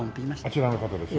あちらの方ですね。